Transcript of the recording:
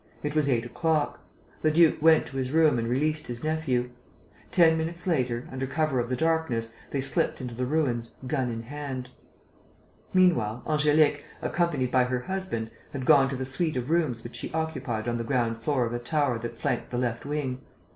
It was eight o'clock. The duke went to his room and released his nephew. Ten minutes later, under cover of the darkness, they slipped into the ruins, gun in hand. Meanwhile, Angélique, accompanied by her husband, had gone to the suite of rooms which she occupied on the ground floor of a tower that flanked the left wing.